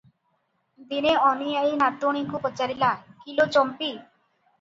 ଦିନେ ଅନୀ ଆଈ ନାତୁଣୀକୁ ପଚାରିଲା, "କି ଲୋ ଚମ୍ପି!